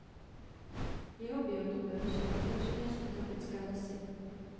Jeho biotopem jsou otevřené subtropické lesy.